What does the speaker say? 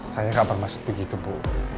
saya nggak bermaksud begitu bu